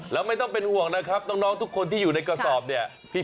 แล้วไม่ต้องเป็นห่วงนะครับน้องทุกคนที่อยู่ในกระสอบเนี่ย